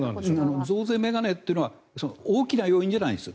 増税メガネというのは大きな要因じゃないんです。